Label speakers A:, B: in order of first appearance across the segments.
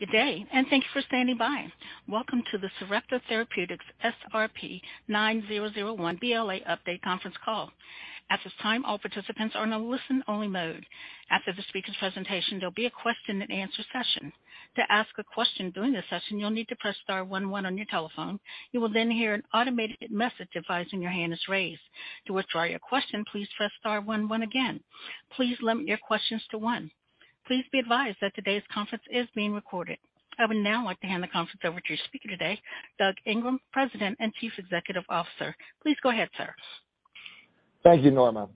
A: Good day, and thank you for standing by. Welcome to the Sarepta Therapeutics SRP-9001 BLA update conference call. At this time, all participants are in a listen-only mode. After the speaker's presentation, there'll be a question and answer session. To ask a question during this session, you'll need to press star one one on your telephone. You will then hear an automated message advising your hand is raised. To withdraw your question, please press star one one again. Please limit your questions to one. Please be advised that today's conference is being recorded. I would now like to hand the conference over to your speaker today, Doug Ingram, President and Chief Executive Officer. Please go ahead, sir.
B: Thank you, Norma.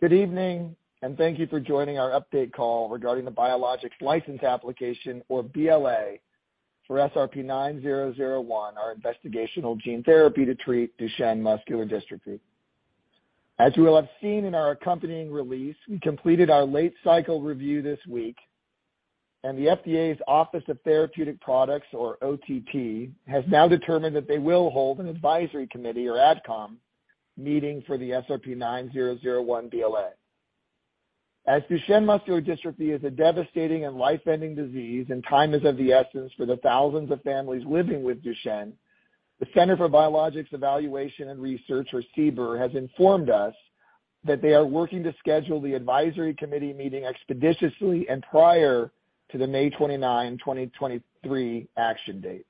B: Good evening, thank you for joining our update call regarding the Biologics License Application, or BLA, for SRP-9001, our investigational gene therapy to treat Duchenne Muscular Dystrophy. As you will have seen in our accompanying release, we completed our late-cycle review this week, the FDA's Office of Therapeutic Products, or OTP, has now determined that they will hold an advisory committee, or AdCom, meeting for the SRP-9001 BLA. As Duchenne Muscular Dystrophy is a devastating and life-ending disease and time is of the essence for the thousands of families living with Duchenne, the Center for Biologics Evaluation and Research, or CBER, has informed us that they are working to schedule the advisory committee meeting expeditiously and prior to the May 29, 2023 action date.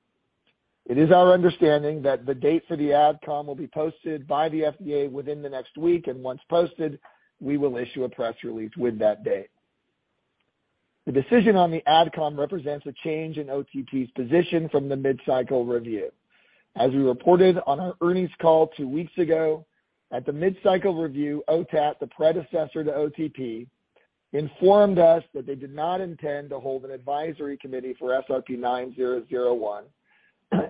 B: It is our understanding that the date for the AdCom will be posted by the FDA within the next week. Once posted, we will issue a press release with that date. The decision on the AdCom represents a change in OTP's position from the mid-cycle review. As we reported on our earnings call two weeks ago, at the mid-cycle review, OTAT, the predecessor to OTP, informed us that they did not intend to hold an advisory committee for SRP-9001,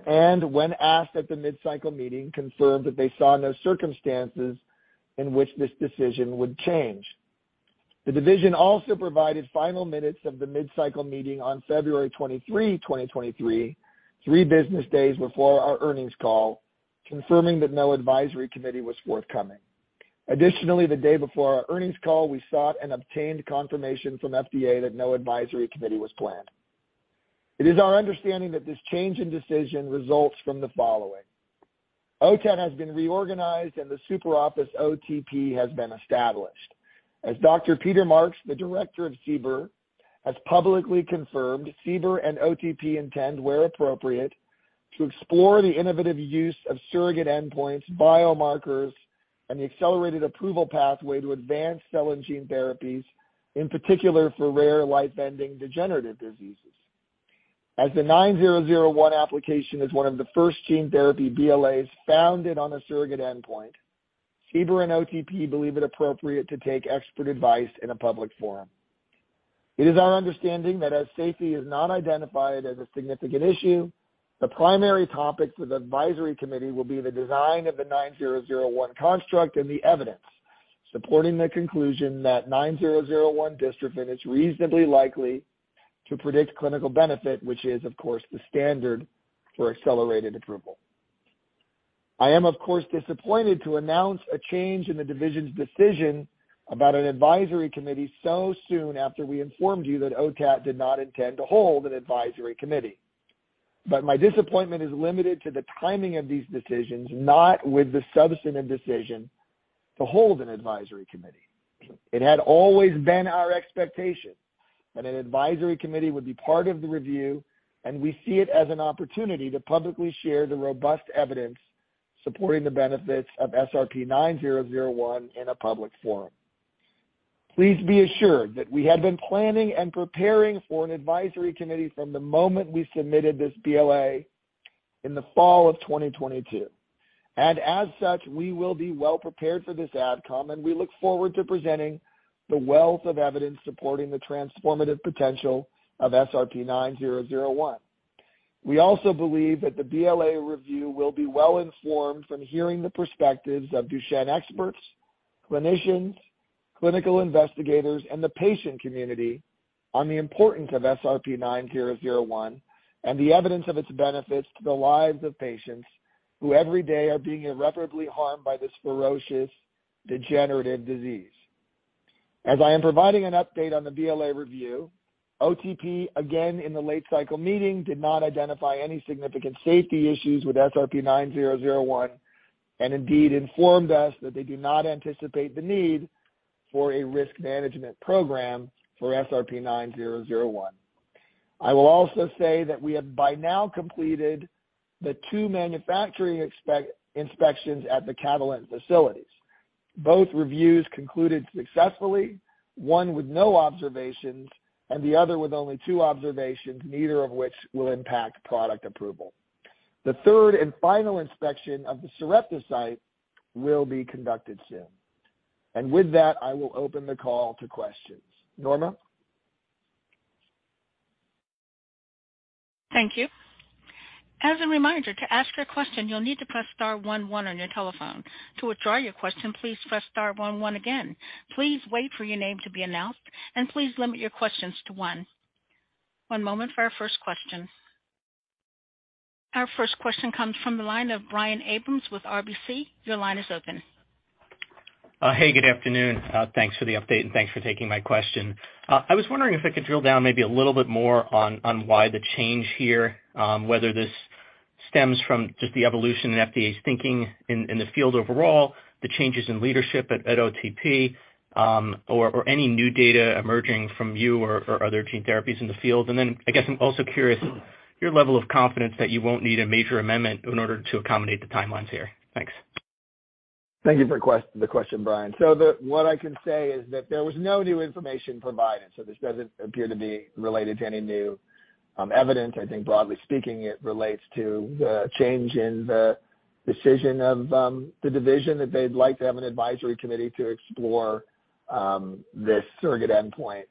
B: and when asked at the mid-cycle meeting, confirmed that they saw no circumstances in which this decision would change. The division also provided final minutes of the mid-cycle meeting on February 23, 2023, three business days before our earnings call, confirming that no advisory committee was forthcoming. Additionally, the day before our earnings call, we sought and obtained confirmation from FDA that no advisory committee was planned. It is our understanding that this change in decision results from the following. OTAT has been reorganized, and the super office OTP has been established. As Dr. Peter Marks, the director of CBER, has publicly confirmed, CBER and OTP intend, where appropriate, to explore the innovative use of surrogate endpoints, biomarkers, and the accelerated approval pathway to advance cell and gene therapies, in particular for rare life-ending degenerative diseases. As the 9001 application is one of the first gene therapy BLAs founded on a surrogate endpoint, CBER and OTP believe it appropriate to take expert advice in a public forum. It is our understanding that as safety is not identified as a significant issue, the primary topic for the advisory committee will be the design of the 9001 construct and the evidence supporting the conclusion that 9001 dystrophin is reasonably likely to predict clinical benefit, which is, of course, the standard for accelerated approval. I am, of course, disappointed to announce a change in the division's decision about an advisory committee so soon after we informed you that OTAT did not intend to hold an advisory committee. My disappointment is limited to the timing of these decisions, not with the substantive decision to hold an advisory committee. It had always been our expectation that an advisory committee would be part of the review, and we see it as an opportunity to publicly share the robust evidence supporting the benefits of SRP-9001 in a public forum. Please be assured that we have been planning and preparing for an advisory committee from the moment we submitted this BLA in the fall of 2022. As such, we will be well prepared for this AdCom, and we look forward to presenting the wealth of evidence supporting the transformative potential of SRP-9001. We also believe that the BLA review will be well informed from hearing the perspectives of Duchenne experts, clinicians, clinical investigators, and the patient community on the importance of SRP-9001 and the evidence of its benefits to the lives of patients who every day are being irreparably harmed by this ferocious degenerative disease. As I am providing an update on the BLA review, OTP, again in the late-cycle meeting, did not identify any significant safety issues with SRP-9001, and indeed informed us that they do not anticipate the need for a risk management program for SRP-9001. I will also say that we have by now completed the two manufacturing inspections at the Catalent facilities. Both reviews concluded successfully, one with no observations and the other with only two observations, neither of which will impact product approval. The third and final inspection of the Sarepta site will be conducted soon. With that, I will open the call to questions. Norma?
A: Thank you. As a reminder, to ask a question, you'll need to press star one one on your telephone. To withdraw your question, please press star one one again. Please wait for your name to be announced, and please limit your questions to one. One moment for our first question. Our first question comes from the line of Brian Abrahams with RBC. Your line is open.
C: Hey, good afternoon. Thanks for the update and thanks for taking my question. I was wondering if I could drill down maybe a little bit more on why the change here, whether this stems from just the evolution in FDA's thinking in the field overall, the changes in leadership at OTP, or any new data emerging from you or other gene therapies in the field? I guess I'm also curious your level of confidence that you won't need a major amendment in order to accommodate the timelines here. Thanks.
B: Thank you for the question, Brian. What I can say is that there was no new information provided, so this doesn't appear to be related to any new evidence. I think broadly speaking, it relates to the change in the decision of the division that they'd like to have an advisory committee to explore this surrogate endpoint,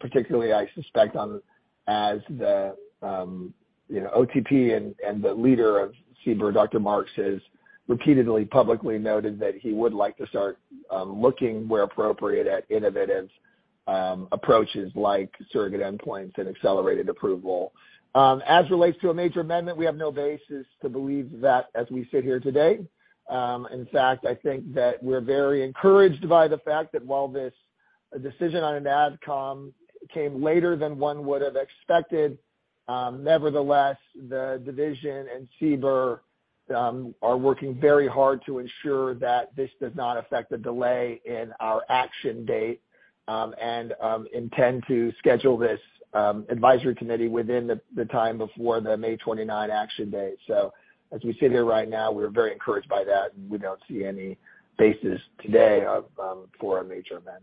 B: particularly I suspect on as the, you know, OTP and the leader of CBER, Dr. Marks, has repeatedly publicly noted that he would like to start looking where appropriate at innovative approaches like surrogate endpoints and accelerated approval. As relates to a major amendment, we have no basis to believe that as we sit here today. In fact, I think that we're very encouraged by the fact that while this decision on an AdCom came later than one would have expected, nevertheless, the division and CBER are working very hard to ensure that this does not affect the delay in our action date, and intend to schedule this advisory committee within the time before the May 29 action date. As we sit here right now, we're very encouraged by that, and we don't see any basis today of for a major amendment.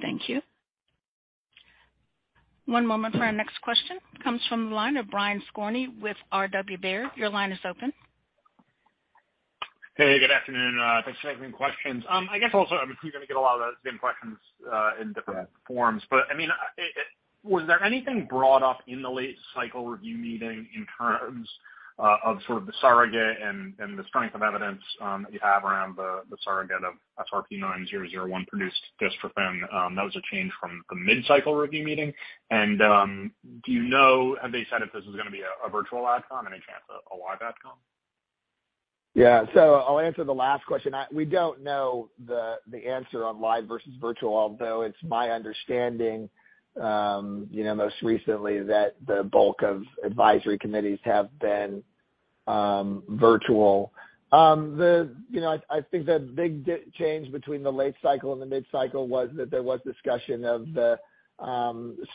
A: Thank you. One moment for our next question. Comes from the line of Brian Skorney with RW Baird. Your line is open.
D: Hey, good afternoon, thanks for taking questions. I guess also, I mean, you're gonna get a lot of the same questions in different forms. I mean, was there anything brought up in the late cycle review meeting in terms of sort of the surrogate and the strength of evidence that you have around the surrogate of SRP-9001 produced dystrophin that was a change from the mid-cycle review meeting? Do you know, have they said if this was gonna be a virtual AdCom, any chance a live AdCom?
B: I'll answer the last question. We don't know the answer on live versus virtual, although it's my understanding, you know, most recently that the bulk of advisory committees have been virtual. The, you know, I think the big change between the late cycle and the mid-cycle was that there was discussion of the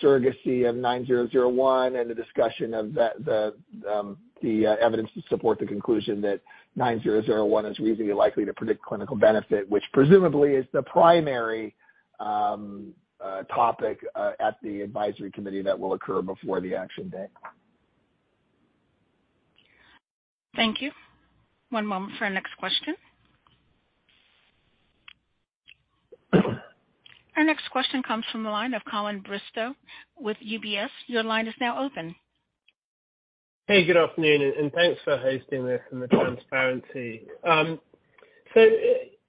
B: surrogacy of 9001 and the discussion of the, the evidence to support the conclusion that 9001 is reasonably likely to predict clinical benefit, which presumably is the primary topic at the advisory committee that will occur before the action date.
A: Thank you. One moment for our next question. Our next question comes from the line of Colin Bristow with UBS. Your line is now open.
E: Hey, good afternoon, and thanks for hosting this and the transparency. Has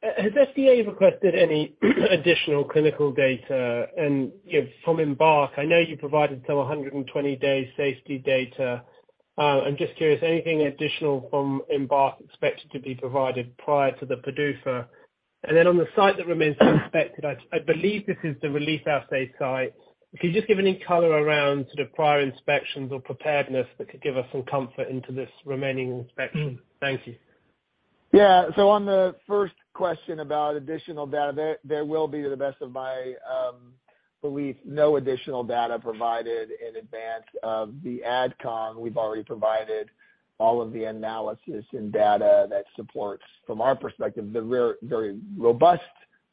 E: FDA requested any additional clinical data and, you know, from EMBARK, I know you provided some 120 days safety data. I'm just curious, anything additional from EMBARK expected to be provided prior to the PDUFA? On the site that remains inspected, I believe this is the release assay site. Could you just give any color around sort of prior inspections or preparedness that could give us some comfort into this remaining inspection? Thank you.
B: On the first question about additional data, there will be, to the best of my belief, no additional data provided in advance of the AdCom. We've already provided all of the analysis and data that supports, from our perspective, the very robust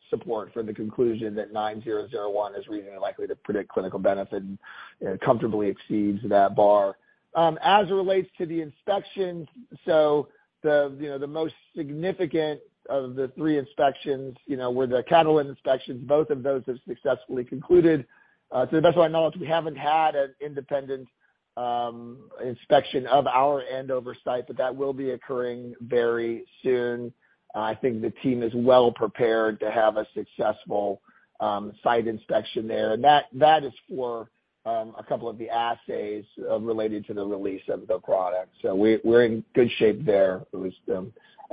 B: support for the conclusion that 9001 is reasonably likely to predict clinical benefit and comfortably exceeds that bar. As it relates to the inspections, the, you know, the most significant of the three inspections, you know, were the Catalent inspections. Both of those have successfully concluded. To the best of my knowledge, we haven't had an independent inspection of our Andover site, but that will be occurring very soon. I think the team is well prepared to have a successful site inspection there. That is for a couple of the assays related to the release of the product. We're in good shape there with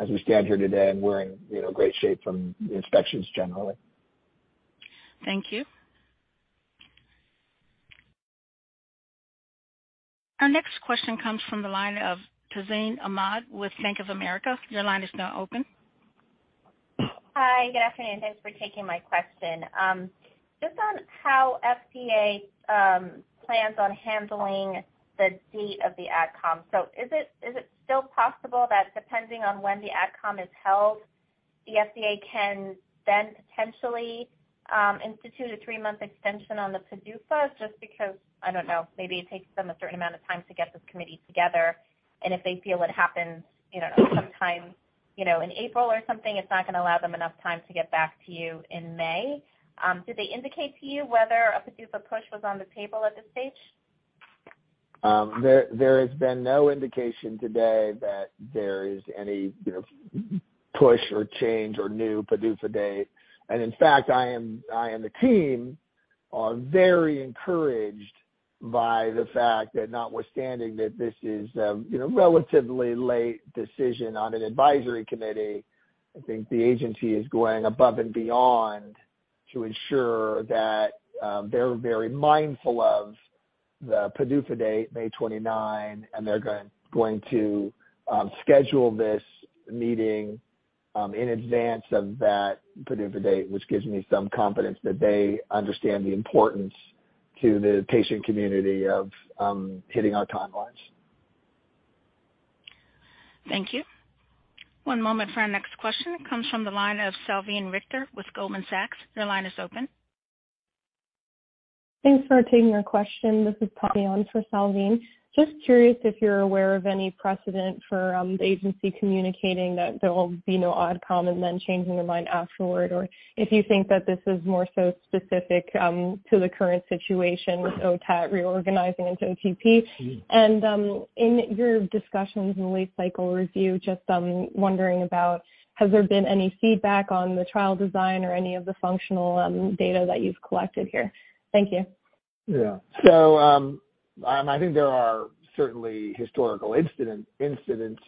B: as we stand here today, and we're in, you know, great shape from the inspections generally.
A: Thank you. Our next question comes from the line of Tazeen Ahmad with Bank of America. Your line is now open.
F: Hi, good afternoon, and thanks for taking my question. Just on how FDA plans on handling the date of the AdCom. Is it still possible that depending on when the AdCom is held, the FDA can then potentially institute a three-month extension on the PDUFA just because, I don't know, maybe it takes them a certain amount of time to get this committee together, and if they feel it happens, you know, sometime, you know, in April or something, it's not gonna allow them enough time to get back to you in May? Did they indicate to you whether a PDUFA push was on the table at this stage?
B: There, there has been no indication to date that there is any, you know, push or change or new PDUFA date. In fact, I am the team-Are very encouraged by the fact that notwithstanding that this is a, you know, relatively late decision on an advisory committee, I think the agency is going above and beyond to ensure that they're very mindful of the PDUFA date, May 29, and they're going to schedule this meeting in advance of that PDUFA date, which gives me some confidence that they understand the importance to the patient community of hitting our timelines.
A: Thank you. One moment for our next question. It comes from the line of Salveen Richter with Goldman Sachs. Your line is open.
G: Thanks for taking our question. This is Patty on for Salveen. Just curious if you're aware of any precedent for the agency communicating that there will be no AdCom and then changing their mind afterward, or if you think that this is more so specific to the current situation with OTAT reorganizing into OTP. In your discussions in the late cycle review, just wondering about has there been any feedback on the trial design or any of the functional data that you've collected here? Thank you.
B: Yeah. I think there are certainly historical instances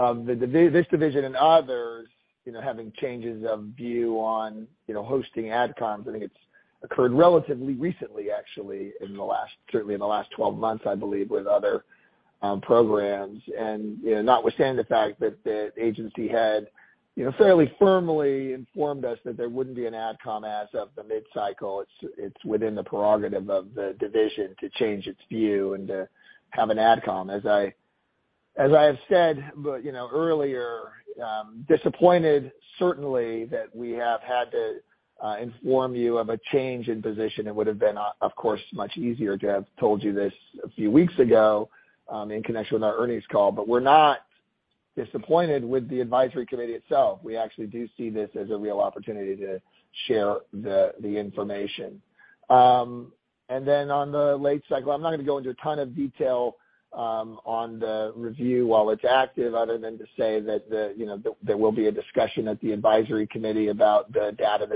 B: of this division and others, you know, having changes of view on, you know, hosting AdComs. I think it's occurred relatively recently, actually, certainly in the last 12 months, I believe, with other programs. You know, notwithstanding the fact that the agency had, you know, fairly firmly informed us that there wouldn't be an AdCom as of the mid-cycle, it's within the prerogative of the division to change its view and to have an AdCom. As I have said, you know, earlier, disappointed certainly that we have had to inform you of a change in position. It would have been, of course, much easier to have told you this a few weeks ago, in connection with our earnings call. We're not disappointed with the advisory committee itself. We actually do see this as a real opportunity to share the information. Then on the late cycle, I'm not gonna go into a ton of detail on the review while it's active other than to say that, you know, there will be a discussion at the advisory committee about the data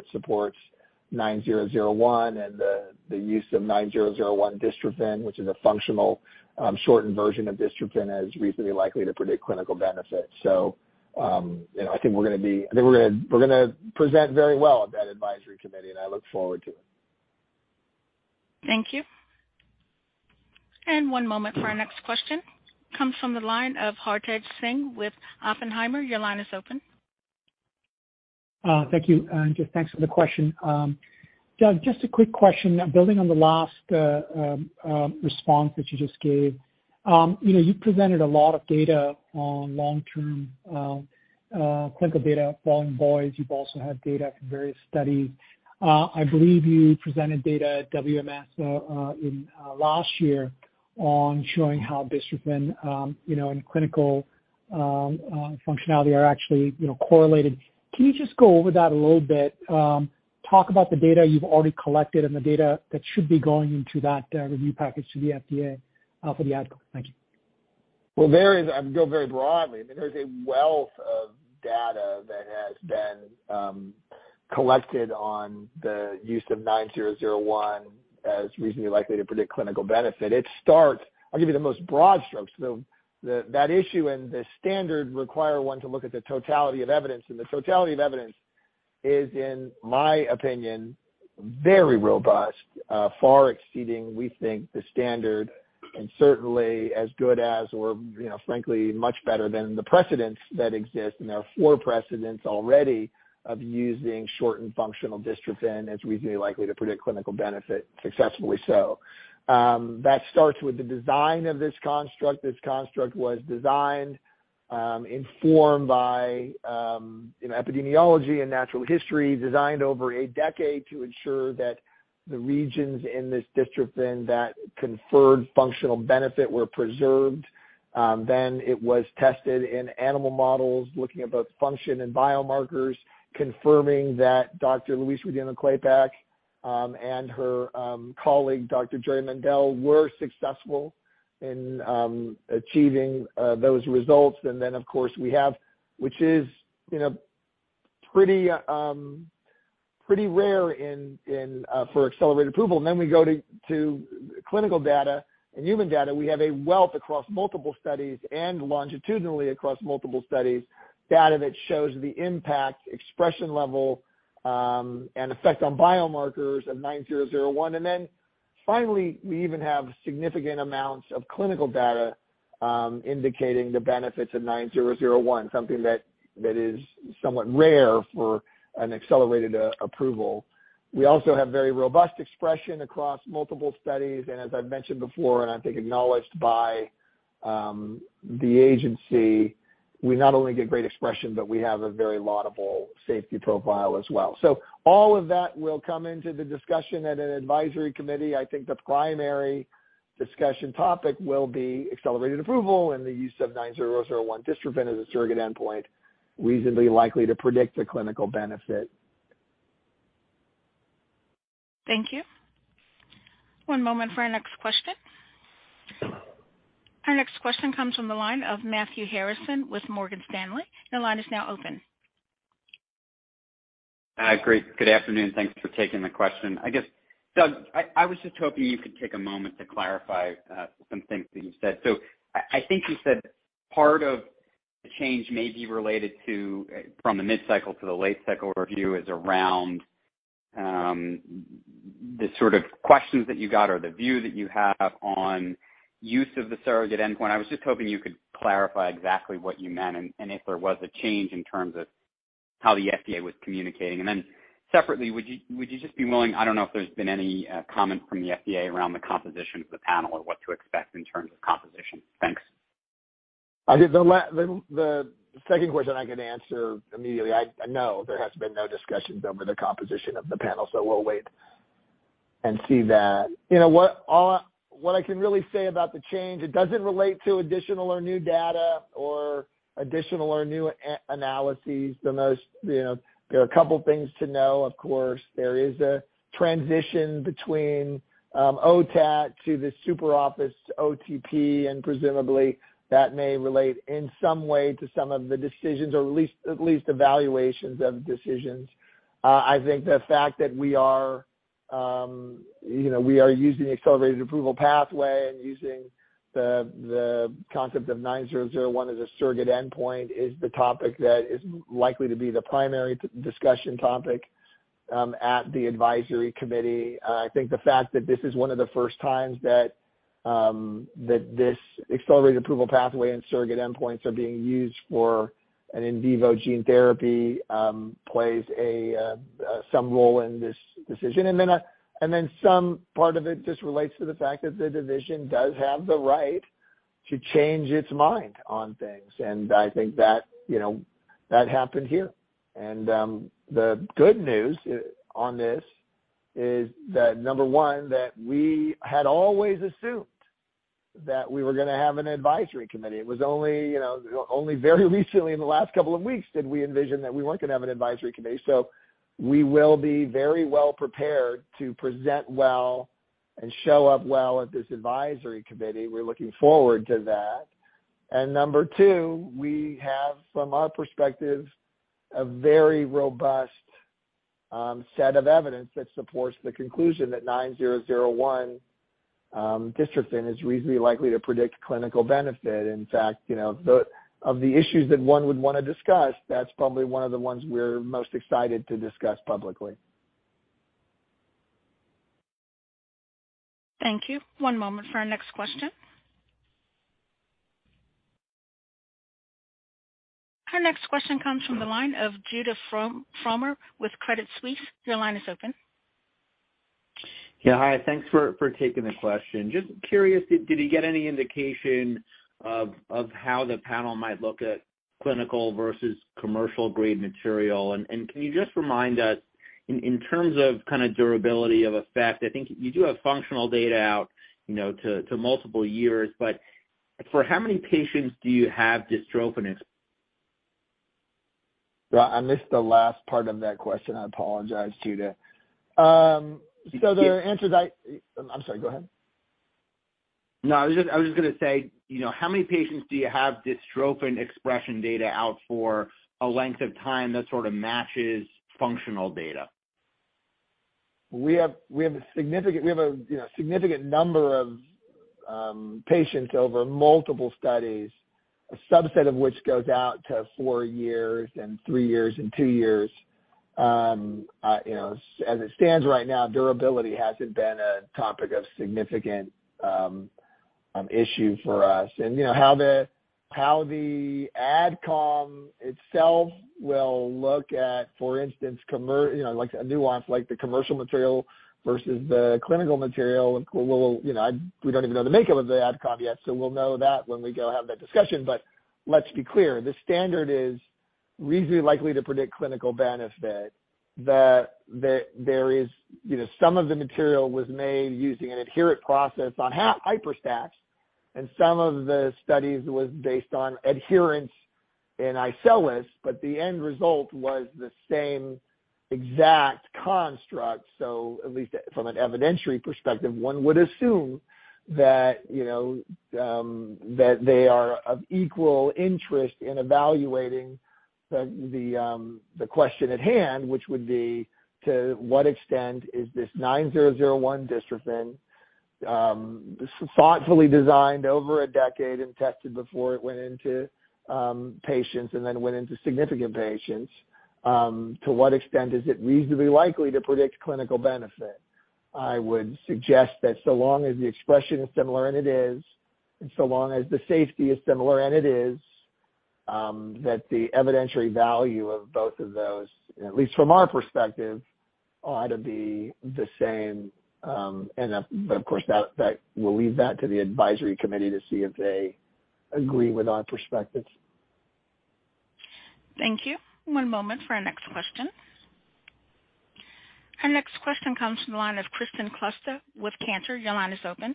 B: that supports 9001 and the use of 9001 dystrophin, which is a functional, shortened version of dystrophin as reasonably likely to predict clinical benefit. You know, I think we're gonna, we're gonna present very well at that advisory committee, and I look forward to it.
A: Thank you. One moment for our next question. Comes from the line of Hartaj Singh with Oppenheimer. Your line is open.
H: Thank you, and just thanks for the question. Doug, just a quick question building on the last response that you just gave. You know, you presented a lot of data on long-term clinical data, falling boys. You've also had data from various studies. I believe you presented data at WMS last year on showing how dystrophin, you know, and clinical functionality are actually, you know, correlated. Can you just go over that a little bit? Talk about the data you've already collected and the data that should be going into that review package to the FDA for the AdCom. Thank you.
B: Well, there is, I can go very broadly. I mean, there's a wealth of data that has been collected on the use of SRP-9001 as reasonably likely to predict clinical benefit. It starts. I'll give you the most broad strokes. That issue and the standard require one to look at the totality of evidence. The totality of evidence is, in my opinion, very robust, far exceeding, we think, the standard and certainly as good as or, you know, frankly, much better than the precedents that exist. There are four precedents already of using shortened functional dystrophin as reasonably likely to predict clinical benefit successfully so. That starts with the design of this construct. This construct was designed, informed by, you know, epidemiology and natural history, designed over a decade to ensure that the regions in this dystrophin that conferred functional benefit were preserved. Then it was tested in animal models, looking at both function and biomarkers, confirming that Dr. Louise Rodino-Klapac and her colleague, Dr. Jerry Mendell, were successful in achieving those results. Of course, we have, which is, you know, pretty rare in for accelerated approval. We go to clinical data and human data. We have a wealth across multiple studies and longitudinally across multiple studies, data that shows the impact, expression level, and effect on biomarkers of 9001. Finally, we even have significant amounts of clinical data, indicating the benefits of 9001, something that is somewhat rare for an accelerated approval. We also have very robust expression across multiple studies. As I've mentioned before, and I think acknowledged by the agency, we not only get great expression, but we have a very laudable safety profile as well. All of that will come into the discussion at an advisory committee. I think the primary discussion topic will be accelerated approval and the use of 9001 dystrophin as a surrogate endpoint reasonably likely to predict the clinical benefit.
A: Thank you. One moment for our next question. Our next question comes from the line of Matthew Harrison with Morgan Stanley. Your line is now open.
I: Great. Good afternoon. Thanks for taking the question. I guess, Doug, I was just hoping you could take a moment to clarify some things that you said. I think you said part of the change may be related to from the mid-cycle to the late-cycle review is around the sort of questions that you got or the view that you have on use of the surrogate endpoint. I was just hoping you could clarify exactly what you meant and if there was a change in terms of how the FDA was communicating. Separately, would you just be willing, I don't know if there's been any comment from the FDA around the composition of the panel or what to expect in terms of composition. Thanks.
B: I think the second question I can answer immediately. I know there has been no discussions over the composition of the panel. We'll wait and see that. You know what I can really say about the change, it doesn't relate to additional or new data or additional or new analyses. You know, there are a couple things to know, of course. There is a transition between OTAT to the super office OTP. Presumably, that may relate in some way to some of the decisions or at least evaluations of decisions. I think the fact that we are, you know, we are using accelerated approval pathway and using the concept of SRP-9001 as a surrogate endpoint is the topic that is likely to be the primary discussion topic at the Advisory Committee. I think the fact that this is one of the first times that this accelerated approval pathway and surrogate endpoints are being used for an in vivo gene therapy plays some role in this decision. Some part of it just relates to the fact that the division does have the right to change its mind on things. I think that, you know, that happened here. The good news on this is that, number one, that we had always assumed that we were going to have an Advisory Committee. It was only, you know, only very recently in the last couple of weeks did we envision that we weren't gonna have an advisory committee. We will be very well prepared to present well and show up well at this advisory committee. We're looking forward to that. Number two, we have, from our perspective, a very robust set of evidence that supports the conclusion that 9001 dystrophin is reasonably likely to predict clinical benefit. In fact, you know, the, of the issues that one would wanna discuss, that's probably one of the ones we're most excited to discuss publicly.
A: Thank you. One moment for our next question. Our next question comes from the line of Judah Frommer with Credit Suisse. Your line is open.
J: Yeah, hi. Thanks for taking the question. Just curious, did you get any indication of how the panel might look at clinical versus commercial-grade material? Can you just remind us in terms of kind of durability of effect, I think you do have functional data out, you know, to multiple years. For how many patients do you have dystrophin?
B: I missed the last part of that question. I apologize, Judah. I'm sorry, go ahead.
J: No, I was just gonna say, you know, how many patients do you have dystrophin expression data out for a length of time that sort of matches functional data?
B: We have a significant, you know, significant number of patients over multiple studies, a subset of which goes out to four years and three years and two years. You know, as it stands right now, durability hasn't been a topic of significant issue for us. You know, how the AdCom itself will look at, for instance, you know, like a nuance like the commercial material versus the clinical material, we'll, you know, we don't even know the makeup of the AdCom yet, so we'll know that when we go have that discussion. Let's be clear, the standard is reasonably likely to predict clinical benefit. There is, you know, some of the material was made using an adherent process on HYPERStack, and some of the studies was based on adherence in iCELLis, but the end result was the same exact construct. At least from an evidentiary perspective, one would assume that, you know, that they are of equal interest in evaluating the question at hand, which would be to what extent is this 9001 dystrophin thoughtfully designed over a decade and tested before it went into patients and then went into significant patients, to what extent is it reasonably likely to predict clinical benefit? I would suggest that so long as the expression is similar, and it is, and so long as the safety is similar, and it is, that the evidentiary value of both of those, at least from our perspective, ought to be the same. Of course, that, we'll leave that to the advisory committee to see if they agree with our perspectives.
A: Thank you. One moment for our next question. Our next question comes from the line of Kristen Kluska with Cantor Fitzgerald. Your line is open.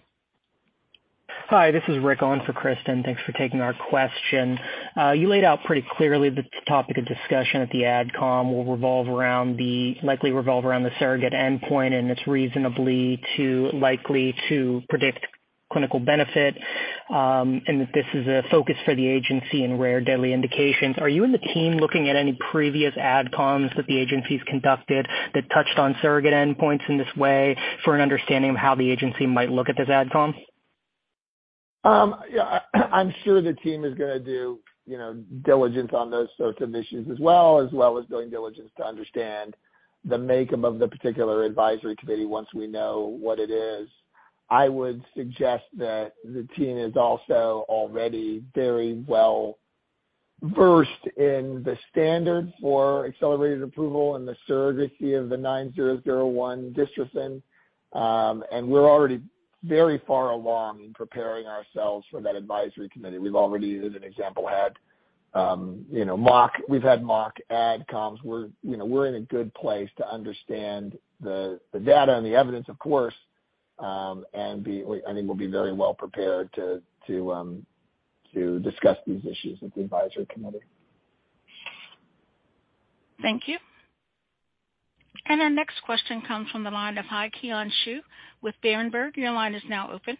K: Hi, this is Rick on for Kristen. Thanks for taking our question. You laid out pretty clearly the topic of discussion at the AdCom will likely revolve around the surrogate endpoint, and it's reasonably to likely to predict. Clinical benefit, and that this is a focus for the agency in rare deadly indications. Are you and the team looking at any previous AdComs that the agencies conducted that touched on surrogate endpoints in this way for an understanding of how the agency might look at this AdCom?
B: Yeah, I'm sure the team is going to do, you know, diligence on those sorts of issues as well, as well as doing diligence to understand the makeup of the particular advisory committee once we know what it is. I would suggest that the team is also already very well-versed in the standards for accelerated approval and the surrogacy of the SRP-9001 dystrophin. We're already very far along in preparing ourselves for that advisory committee. We've already, as an example, had, you know, mock AdComs. We're, you know, we're in a good place to understand the data and the evidence, of course. I think we'll be very well prepared to discuss these issues with the advisory committee.
A: Thank you. Our next question comes from the line of Zhiqiang Shu with Berenberg. Your line is now open.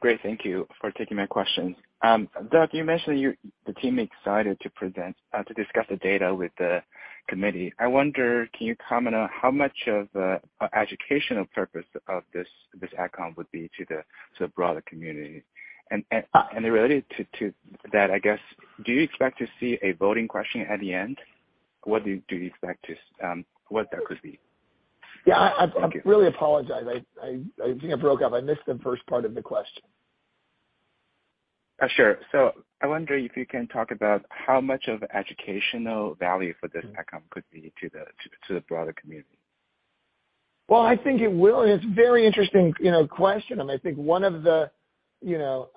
L: Great, thank you for taking my question. Doug, you mentioned the team excited to present, to discuss the data with the committee. I wonder, can you comment on how much of a educational purpose of this AdCom would be to the broader community? Related to that, I guess, do you expect to see a voting question at the end? What do you expect to, what that could be?
B: Yeah.
L: Thank you.
B: I really apologize. I think I broke up. I missed the first part of the question.
L: sure. I wonder if you can talk about how much of educational value for this AdCom could be to the broader community?
B: Well, I think it will. It's a very interesting, you know, question. I think one of the, you know,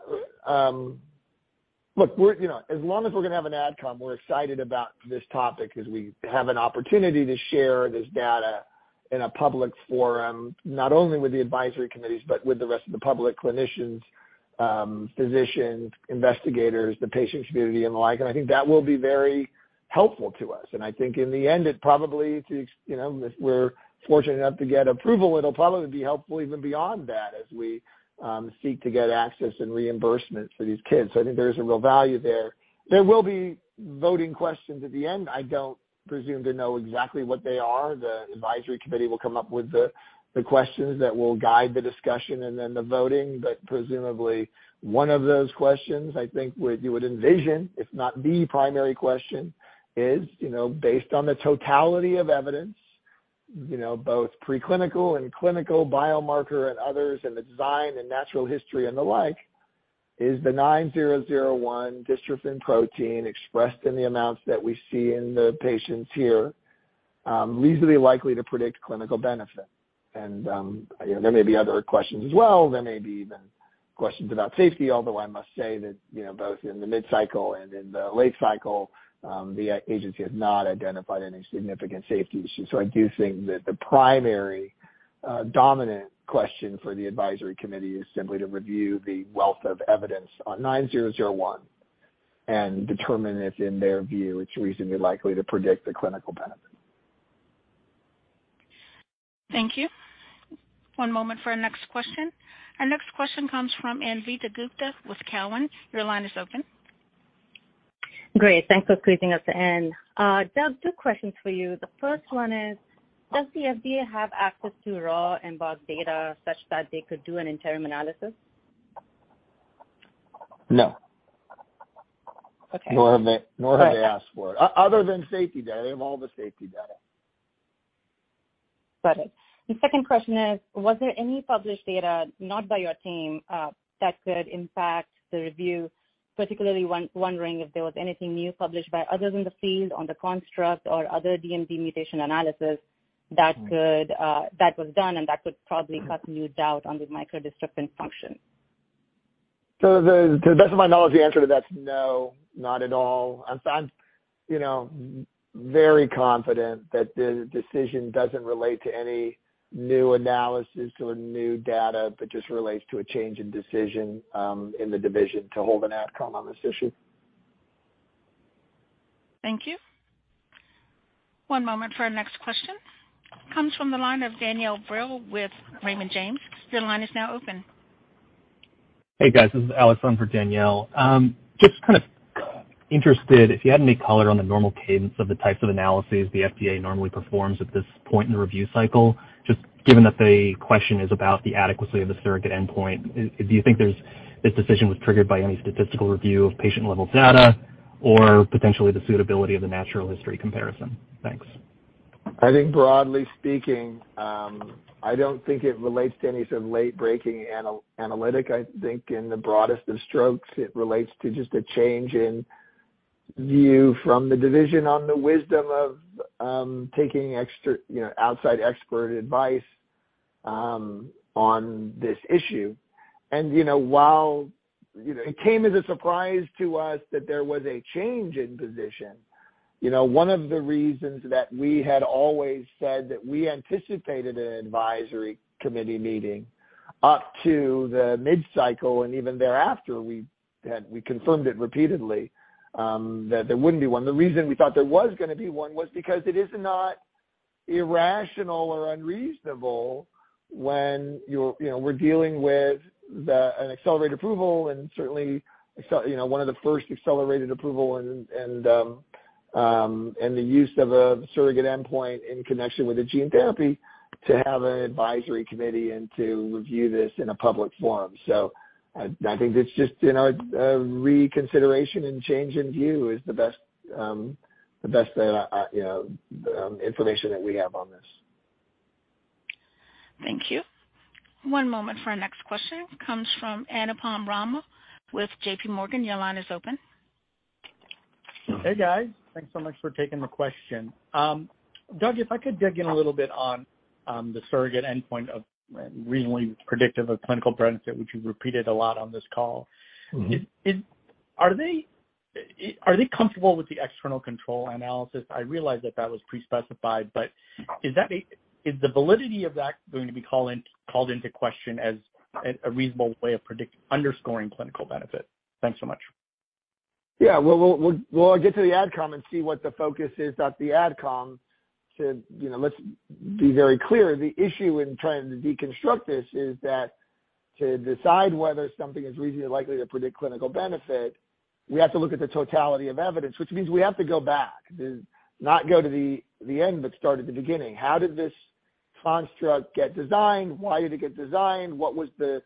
B: Look, we're, you know, as long as we're gonna have an AdCom, we're excited about this topic 'cause we have an opportunity to share this data in a public forum, not only with the advisory committees, but with the rest of the public clinicians, physicians, investigators, the patient community and the like. I think that will be very helpful to us. I think in the end, it probably, you know, if we're fortunate enough to get approval, it'll probably be helpful even beyond that as we seek to get access and reimbursement for these kids. I think there is a real value there. There will be voting questions at the end. I don't presume to know exactly what they are. The advisory committee will come up with the questions that will guide the discussion and then the voting. Presumably, one of those questions, I think would, you would envision, if not the primary question is, you know, based on the totality of evidence, you know, both preclinical and clinical biomarker and others in the design and natural history and the like, is the 9001 dystrophin protein expressed in the amounts that we see in the patients here, reasonably likely to predict clinical benefit? You know, there may be other questions as well. There may be even questions about safety, although I must say that, you know, both in the mid-cycle and in the late cycle, the agency has not identified any significant safety issues. I do think that the primary dominant question for the advisory committee is simply to review the wealth of evidence on 9001 and determine if in their view it's reasonably likely to predict the clinical benefit.
A: Thank you. One moment for our next question. Our next question comes from Anvita Gupta with Cowen. Your line is open.
M: Great. Thanks for squeezing us in. Doug, two questions for you. The first one is, does the FDA have access to raw and bulk data such that they could do an interim analysis?
B: No.
M: Okay.
B: Nor have they asked for it. Other than safety data. They have all the safety data.
M: Got it. The second question is, was there any published data not by your team, that could impact the review, particularly wondering if there was anything new published by others in the field on the construct or other DMD mutation analysis that could, that was done and that could probably cast new doubt on the micro-dystrophin function?
B: The, to the best of my knowledge, the answer to that is no, not at all. I'm, you know, very confident that the decision doesn't relate to any new analysis or new data, but just relates to a change in decision in the division to hold an AdCom on this issue.
A: Thank you. One moment for our next question. Comes from the line of Danielle Brill with Raymond James. Your line is now open.
N: Hey, guys. This is Alex on for Danielle. Just kind of interested if you had any color on the normal cadence of the types of analyses the FDA normally performs at this point in the review cycle, just given that the question is about the adequacy of the surrogate endpoint. Do you think this decision was triggered by any statistical review of patient-level data or potentially the suitability of the natural history comparison? Thanks.
B: I think broadly speaking, I don't think it relates to any sort of late-breaking analytic. I think in the broadest of strokes, it relates to just a change in view from the division on the wisdom of taking extra, you know, outside expert advice on this issue. While, you know, it came as a surprise to us that there was a change in position. You know, one of the reasons that we had always said that we anticipated an advisory committee meeting up to the mid-cycle and even thereafter, we confirmed it repeatedly that there wouldn't be one. The reason we thought there was gonna be one was because it is not irrational or unreasonable when you're, you know, we're dealing with an accelerated approval and certainly you know, one of the first accelerated approval and the use of a surrogate endpoint in connection with the gene therapy to have an advisory committee and to review this in a public forum. I think it's just, you know, a reconsideration and change in view is the best, the best that I. You know, the information that we have on this.
A: Thank you. One moment for our next question. Comes from Anupam Rama with J.P. Morgan. Your line is open.
O: Hey, guys. Thanks so much for taking the question. Doug, if I could dig in a little bit on the surrogate endpoint of reasonably predictive of clinical benefit, which you've repeated a lot on this call.
B: Mm-hmm.
O: Are they comfortable with the external control analysis? I realize that that was pre-specified, but is the validity of that going to be called into question as a reasonable way of underscoring clinical benefit? Thanks so much.
B: Well, we'll get to the AdCom and see what the focus is at the AdCom to. You know, let's be very clear. The issue in trying to deconstruct this is that to decide whether something is reasonably likely to predict clinical benefit, we have to look at the totality of evidence, which means we have to go back. Not go to the end, but start at the beginning. How did this construct get designed? Why did it get designed? What was the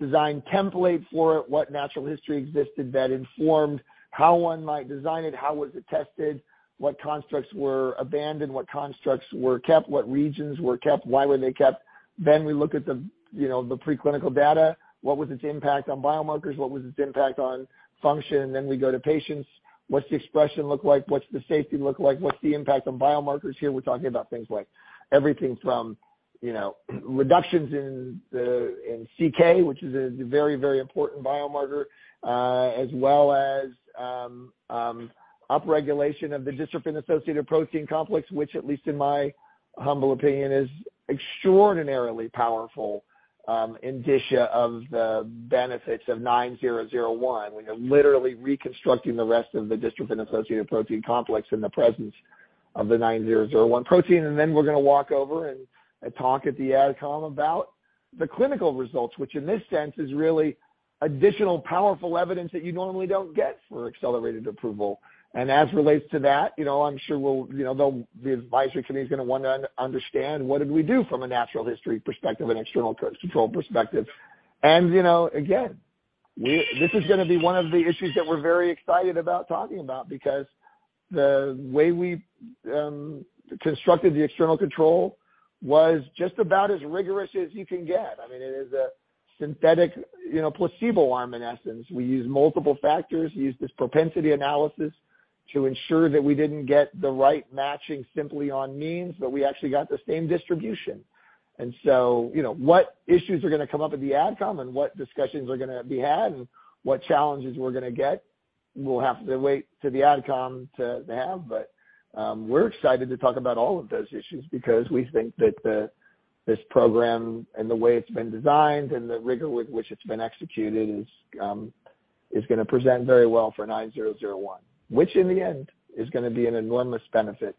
B: design template for it? What natural history existed that informed how one might design it? How was it tested? What constructs were abandoned? What constructs were kept? What regions were kept? Why were they kept? Then we look at the, you know, the preclinical data. What was its impact on biomarkers? What was its impact on function? We go to patients. What's the expression look like? What's the safety look like? What's the impact on biomarkers here? We're talking about things like everything from reductions in the CK, which is a very, very important biomarker, as well as upregulation of the dystrophin-associated protein complex, which at least in my humble opinion, is extraordinarily powerful indicia of the benefits of SRP-9001. We are literally reconstructing the rest of the dystrophin-associated protein complex in the presence of the SRP-9001 protein. We're gonna walk over and talk at the AdCom about the clinical results, which in this sense is really additional powerful evidence that you normally don't get for accelerated approval. As relates to that, you know, I'm sure. The advisory committee is gonna wanna understand what did we do from a natural history perspective and external control perspective. you know, again, we This is gonna be one of the issues that we're very excited about talking about because the way we constructed the external control was just about as rigorous as you can get. I mean, it is a synthetic, you know, placebo arm in essence. We use multiple factors. We use this propensity analysis to ensure that we didn't get the right matching simply on means, but we actually got the same distribution. you know, what issues are gonna come up at the AdCom and what discussions are gonna be had and what challenges we're gonna get, we'll have to wait to the AdCom to have. We're excited to talk about all of those issues because we think that the this program and the way it's been designed and the rigor with which it's been executed is gonna present very well for 9001, which in the end is gonna be an enormous benefit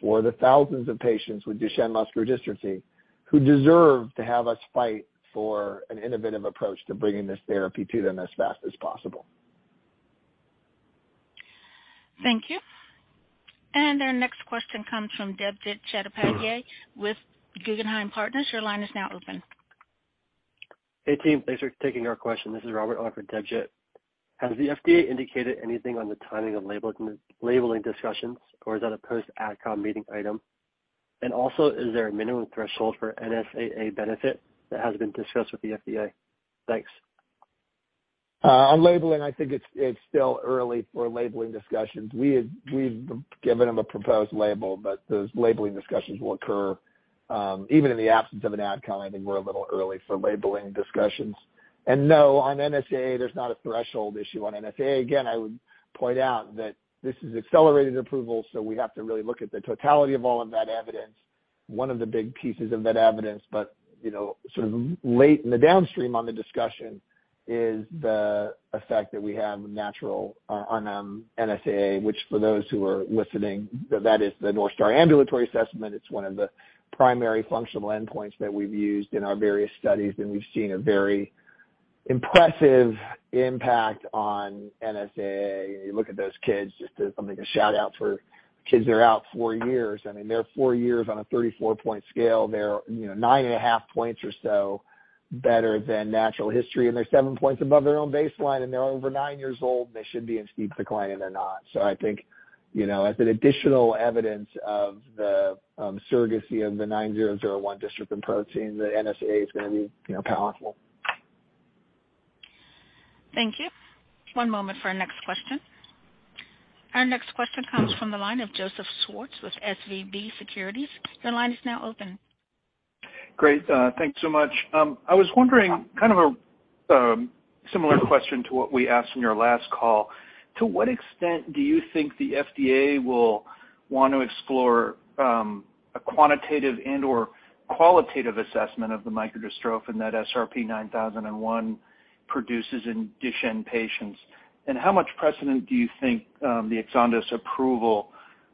B: for the thousands of patients with Duchenne muscular dystrophy who deserve to have us fight for an innovative approach to bringing this therapy to them as fast as possible.
A: Thank you. Our next question comes from Debjit Chattopadhyay with Guggenheim Securities. Your line is now open.
P: Hey, team. Thanks for taking our question. This is Robert on for Debjit. Has the FDA indicated anything on the timing of label labeling discussions or is that a post AdCom meeting item? Also, is there a minimum threshold for NSAA benefit that has been discussed with the FDA? Thanks.
B: On labeling, I think it's still early for labeling discussions. We've given them a proposed label, those labeling discussions will occur even in the absence of an AdCom, I think we're a little early for labeling discussions. No, on NSAA, there's not a threshold issue on NSAA. Again, I would point out that this is accelerated approval, we have to really look at the totality of all of that evidence. One of the big pieces of that evidence, you know, sort of late in the downstream on the discussion is the effect that we have natural on NSAA, which for those who are listening, that is the North Star Ambulatory Assessment. It's 1 of the primary functional endpoints that we've used in our various studies, we've seen a very impressive impact on NSAA. You look at those kids, just to something to shout out for kids that are out four years. I mean, they're four years on a 34-point scale. They're, you know, 9.5 points or so better than natural history, and they're seven points above their own baseline and they're over nine years old, and they should be in steep decline and they're not. I think, you know, as an additional evidence of the surrogacy of the SRP-9001 dystrophin protein, the NSAA is gonna be, you know, powerful.
A: Thank you. One moment for our next question. Our next question comes from the line of Joseph Schwartz with SVB Securities. Your line is now open.
Q: Great. Thanks so much. I was wondering kind of similar question to what we asked in your last call. To what extent do you think the FDA will want to explore a quantitative and/or qualitative assessment of the micro-dystrophin that SRP-9001 produces in Duchenne patients? How much precedent do you think the Exondys approval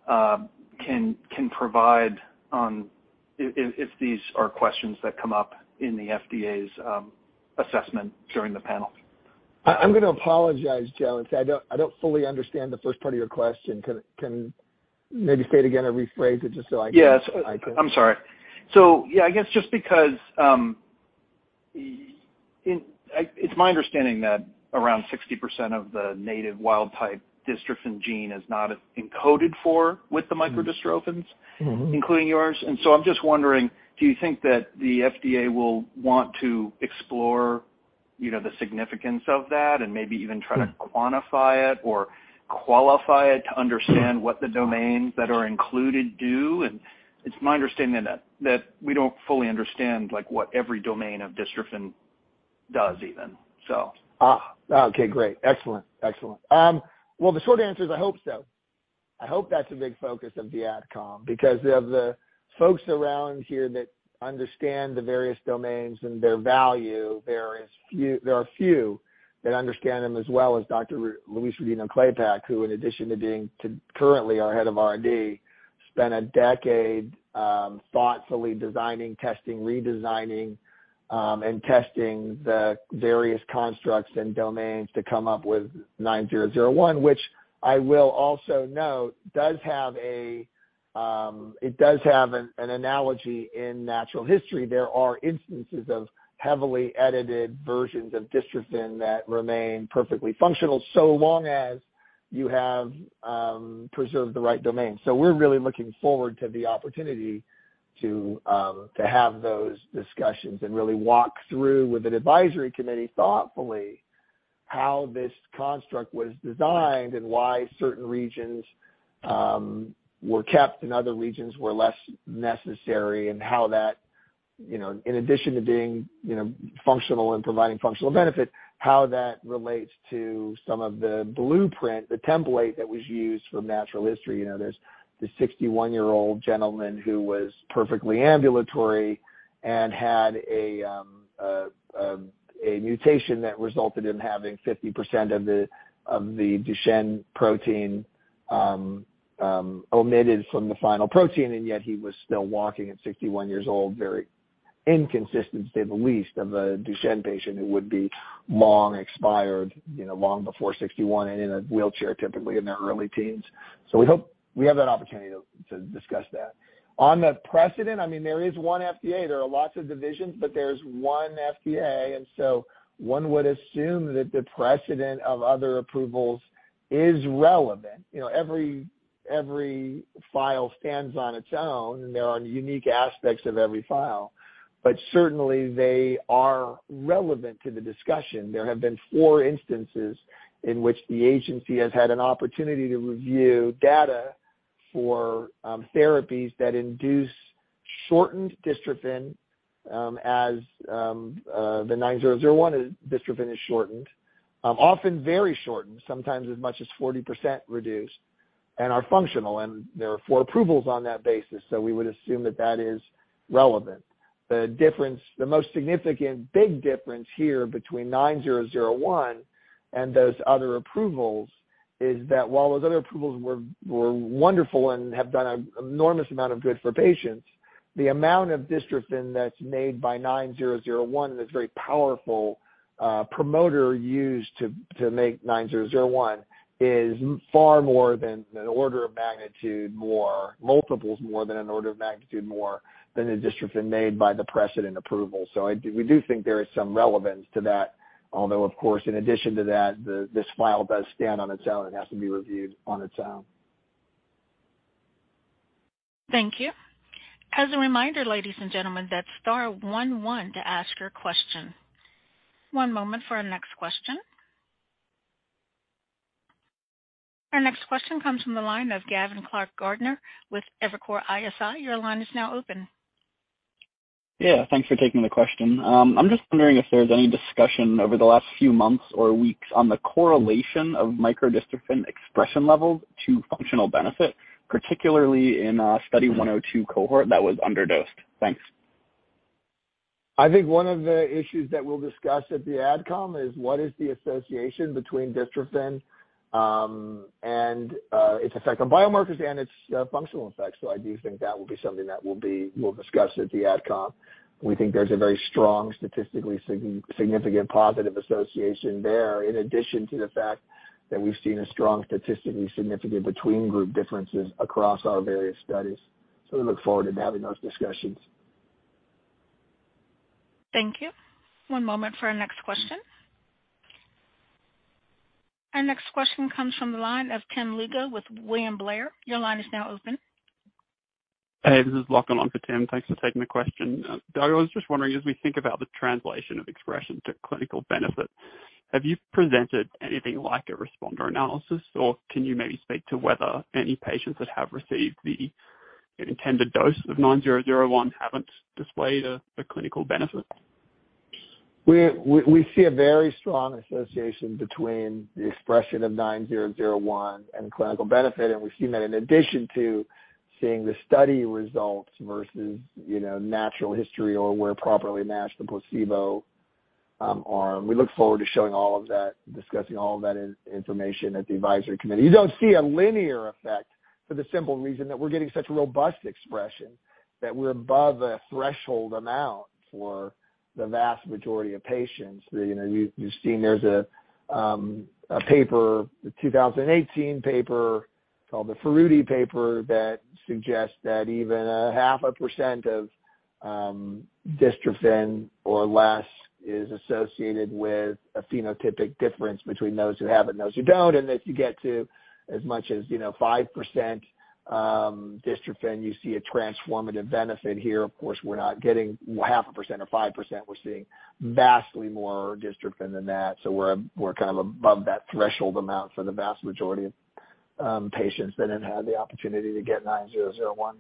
Q: can provide on if these are questions that come up in the FDA's assessment during the panel?
B: I'm gonna apologize, Joe. I don't fully understand the first part of your question. Can maybe say it again or rephrase it just so I can-?
Q: Yes. I'm sorry. Yeah, I guess just because, It's my understanding that around 60% of the native wild type dystrophin gene is not encoded for with the micro-dystrophins.
B: Mm-hmm.
Q: -including yours. I'm just wondering, do you think that the FDA will want to explore, you know, the significance of that and maybe even try to-?
B: Mm.
Q: quantify it or qualify it to understand what the domains that are included do? It's my understanding that we don't fully understand, like, what every domain of dystrophin does even.
B: Okay, great. Excellent. Excellent. Well, the short answer is I hope so. I hope that's a big focus of the AdCom because of the folks around here that understand the various domains and their value. There are few that understand them as well as Dr. Louise Rodino-Klapac, who in addition to being currently our head of R&D, spent a decade thoughtfully designing, testing, redesigning, and testing the various constructs and domains to come up with SRP-9001, which I will also note does have a. It does have an analogy in natural history. There are instances of heavily edited versions of dystrophin that remain perfectly functional, so long as you have preserved the right domain. We're really looking forward to the opportunity to have those discussions and really walk through with an advisory committee thoughtfully how this construct was designed and why certain regions were kept and other regions were less necessary. How that, you know, in addition to being, you know, functional and providing functional benefit, how that relates to some of the blueprint, the template that was used from natural history. You know, there's the 61-year-old gentleman who was perfectly ambulatory and had a mutation that resulted in having 50% of the Duchenne protein omitted from the final protein, and yet he was still walking at 61 years old. Very inconsistent, to say the least, of a Duchenne patient who would be long expired, you know, long before 61 and in a wheelchair typically in their early teens. We hope we have that opportunity to discuss that. On the precedent, I mean, there is one FDA, there are lots of divisions, but there's one FDA. One would assume that the precedent of other approvals is relevant. You know, every file stands on its own and there are unique aspects of every file, but certainly they are relevant to the discussion. There have been four instances in which the agency has had an opportunity to review data for therapies that induce shortened dystrophin, as SRP-9001 is dystrophin is shortened, often very shortened, sometimes as much as 40% reduced and are functional, and there are four approvals on that basis. We would assume that that is relevant. The difference, the most significant big difference here between 9001 and those other approvals is that while those other approvals were wonderful and have done an enormous amount of good for patients, the amount of dystrophin that's made by 9001 and this very powerful promoter used to make 9001 is far more than an order of magnitude more, multiples more than an order of magnitude more than the dystrophin made by the precedent approval. We do think there is some relevance to that. Although of course in addition to that, this file does stand on its own and has to be reviewed on its own.
A: Thank you. As a reminder, ladies and gentlemen, that's star 11 to ask your question. One moment for our next question. Our next question comes from the line of Gavin Clark-Gartner with Evercore ISI. Your line is now open.
R: Yeah, thanks for taking the question. I'm just wondering if there's any discussion over the last few months or weeks on the correlation of micro-dystrophin expression levels to functional benefit, particularly in Study 102 cohort that was underdosed. Thanks.
B: I think one of the issues that we'll discuss at the AdCom is what is the association between dystrophin, and its effect on biomarkers and its functional effects. I do think that will be something that we'll discuss at the AdCom. We think there's a very strong statistically significant positive association there, in addition to the fact that we've seen a strong statistically significant between group differences across our various studies. We look forward to having those discussions.
A: Thank you. One moment for our next question. Our next question comes from the line of Tim Lugo with William Blair. Your line is now open.
Q: Hey, this is Lachlan on for Tim. Thanks for taking the question. Doug, I was just wondering, as we think about the translation of expression to clinical benefit-
S: Have you presented anything like a responder analysis or can you maybe speak to whether any patients that have received the intended dose of 9001 haven't displayed a clinical benefit?
B: We see a very strong association between the expression of 9001 and clinical benefit, and we've seen that in addition to seeing the study results versus, you know, natural history or were properly matched the placebo arm. We look forward to showing all of that, discussing all of that information at the advisory committee. You don't see a linear effect for the simple reason that we're getting such robust expression that we're above a threshold amount for the vast majority of patients. You know, you've seen there's a paper, the 2018 paper called the Ferlini paper, that suggests that even a 0.5% of dystrophin or less is associated with a phenotypic difference between those who have it and those who don't. If you get to as much as, you know, 5% dystrophin, you see a transformative benefit here. Of course, we're not getting half a percent or 5%. We're seeing vastly more dystrophin than that. We're, we're kind of above that threshold amount for the vast majority of patients that have had the opportunity to get 9001.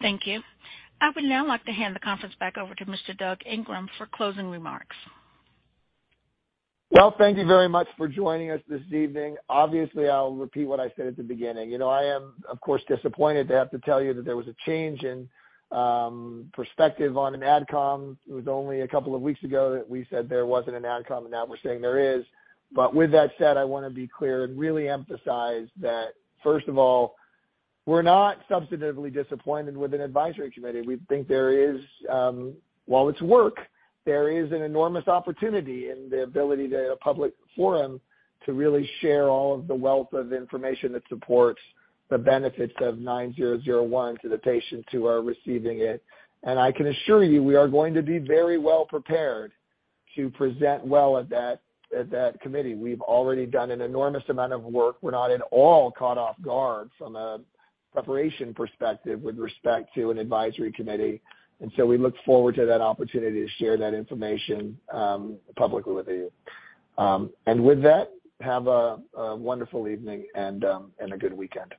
A: Thank you. I would now like to hand the conference back over to Mr. Doug Ingram for closing remarks.
B: Well, thank you very much for joining us this evening. Obviously, I'll repeat what I said at the beginning. You know, I am, of course, disappointed to have to tell you that there was a change in perspective on an AdCom. It was only a couple of weeks ago that we said there wasn't an AdCom, and now we're saying there is. With that said, I wanna be clear and really emphasize that, first of all, we're not substantively disappointed with an advisory committee. We think there is, while it's work, there is an enormous opportunity in the ability to a public forum to really share all of the wealth of information that supports the benefits of SRP-9001 to the patients who are receiving it. I can assure you we are going to be very well prepared to present well at that committee. We've already done an enormous amount of work. We're not at all caught off guard from a preparation perspective with respect to an advisory committee. We look forward to that opportunity to share that information publicly with you. With that, have a wonderful evening and a good weekend.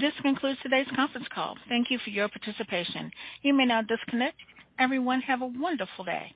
A: This concludes today's conference call. Thank you for your participation. You may now disconnect. Everyone, have a wonderful day.